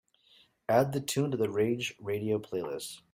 Add the tune to the Rage Radio playlist.